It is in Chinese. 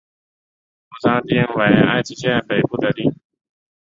扶桑町为爱知县北部的町。